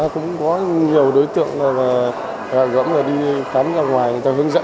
cũng có nhiều đối tượng gạ gẫm đi khám ra ngoài người ta hướng dẫn